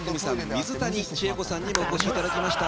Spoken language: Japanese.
水谷千重子さんにもお越しいただきました。